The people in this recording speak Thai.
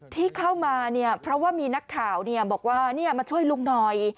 ที่เข้ามาเนี่ยเพราะว่ามีนักข่าวบอกว่ามาช่วยลุงหน่อย